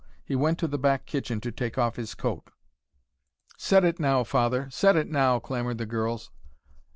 He went to the back kitchen to take off his coat. "Set it now, Father. Set it now," clamoured the girls.